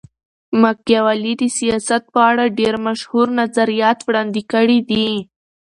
ماکیاولي د سیاست په اړه ډېر مشهور نظریات وړاندي کړي دي.